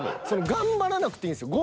頑張らなくていいんですよ。